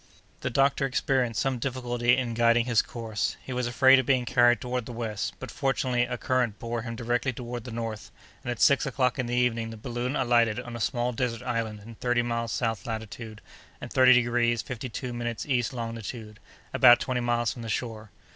The doctor experienced some difficulty in guiding his course; he was afraid of being carried toward the east, but, fortunately, a current bore him directly toward the north, and at six o'clock in the evening the balloon alighted on a small desert island in thirty minutes south latitude, and thirty two degrees fifty two minutes east longitude, about twenty miles from the shore.